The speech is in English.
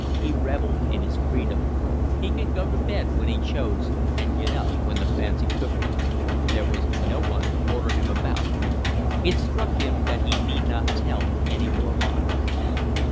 He revelled in his freedom. He could go to bed when he chose and get up when the fancy took him. There was no one to order him about. It struck him that he need not tell any more lies.